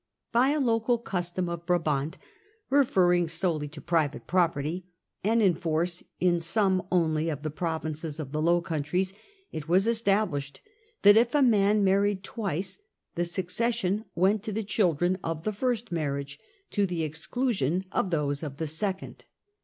By a local custom of Brabant, re ferring solely to private property, and in force in some only of the provinces of the Low Countries, it was established that if a man married twice, the succession went to the children of the first marriage, to the exclusion of those of the second.